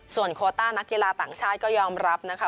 ส่วนโคต้านักกีฬาต่างชาติก็ยอมรับนะคะ